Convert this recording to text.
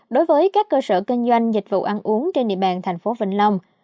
đối với các cơ sở kinh doanh dịch vụ ăn uống trên địa bàn tp vĩnh long